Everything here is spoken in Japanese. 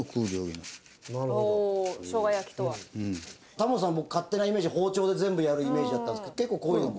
タモリさん僕勝手なイメージで包丁で全部やるイメージだったんですけど結構こういうのも。